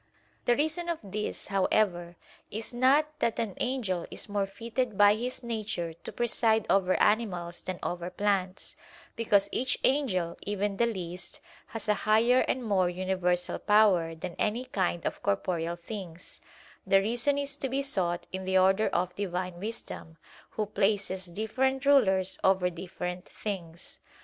The reason of this, however, is not that an angel is more fitted by his nature to preside over animals than over plants; because each angel, even the least, has a higher and more universal power than any kind of corporeal things: the reason is to be sought in the order of Divine wisdom, Who places different rulers over different things.